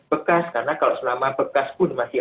bekas karena kalau senama bekas pun masih